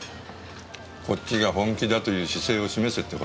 こっちが本気だという姿勢を示せって事？